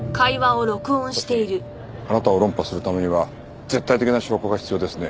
確かにあなたを論破するためには絶対的な証拠が必要ですね。